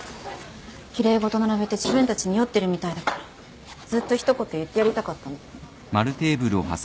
奇麗事並べて自分たちに酔ってるみたいだからずっと一言言ってやりたかったの。